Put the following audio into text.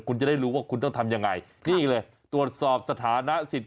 คุณจะได้รู้ว่าคุณต้องทำยังไงนี่เลยตรวจสอบสถานะสิทธิ